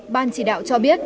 ban chỉ đạo cho biết